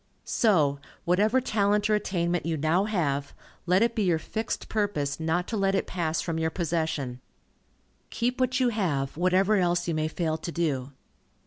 So, whatever talent or attainment you now have, let it be your fixed purpose not to let it pass from your possession. Keep what you have, whatever else you may fail to do.